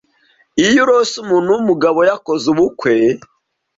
Iyo urose umuntu w’umugabo yakoze ubukwe